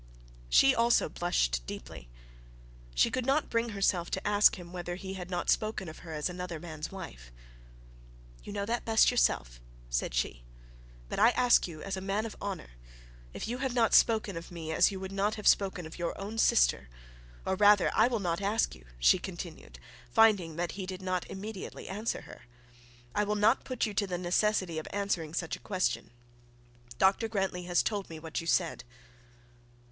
She also blushed deeply. She could not bring herself to ask him whether he had not spoken of her as another man's wife. 'You know that best yourself,' said she; 'but I ask you as a man of honour, if you have not spoken of me as you would not have spoken of your own sister; or rather I will not ask you,' she continued, finding that he did not immediately answer her. 'I will not put you to the necessity of answering such a question. Dr Grantly has told me what you said.'